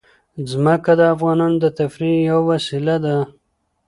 ځمکه د افغانانو د تفریح یوه وسیله ده.